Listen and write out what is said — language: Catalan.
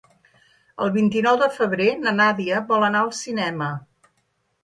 El vint-i-nou de febrer na Nàdia vol anar al cinema.